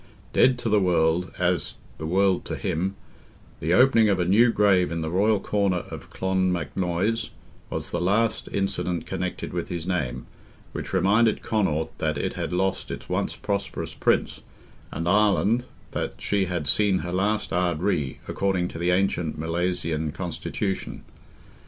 Dead to the world, as the world to him, the opening of a new grave in the royal corner at Clonmacnoise was the last incident connected with his name, which reminded Connaught that it had lost its once prosperous Prince, and Ireland, that she had seen her last Ard Righ, according to the ancient Milesian Constitution.